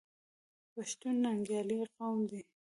پښتون ننګیالی قوم دی.